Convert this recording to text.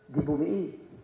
di bumi ini